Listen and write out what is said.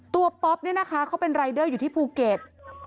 ป๊อปเนี่ยนะคะเขาเป็นรายเดอร์อยู่ที่ภูเก็ต